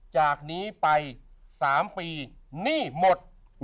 จากนี้ไป๓ปีหนี้หมด